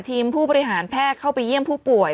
ผู้บริหารแพทย์เข้าไปเยี่ยมผู้ป่วย